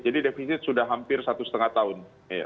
jadi defisit sudah hampir satu lima tahun